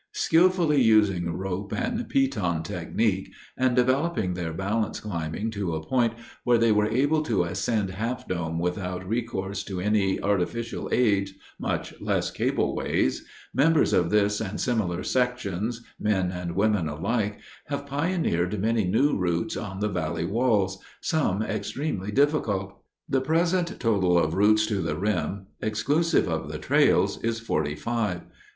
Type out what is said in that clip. Skillfully using rope and piton technique, and developing their balance climbing to a point where they are able to ascend Half Dome without recourse to any artificial aids, much less cableways, members of this and similar sections, men and women alike, have pioneered many new routes on the valley walls, some extremely difficult. The present total of routes to the rim, exclusive of the trails, is forty five.